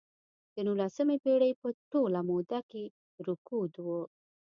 د نولسمې پېړۍ په ټوله موده کې رکود و.